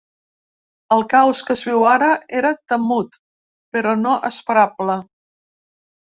El caos que es viu ara era temut, però no esperable.